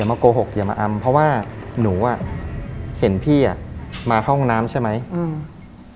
มาโกหกอย่ามาอำเพราะว่าหนูอ่ะเห็นพี่อ่ะมาเข้าห้องน้ำใช่ไหมอืม